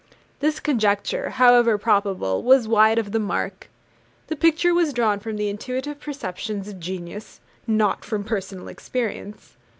This conjecture, however probable, was wide of the mark. The picture was drawn from the intuitive perceptions of genius, not from personal experience.